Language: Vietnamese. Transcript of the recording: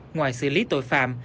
ngoài xử lý tội phạm